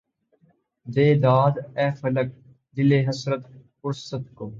دے داد اے فلک! دلِ حسرت پرست کو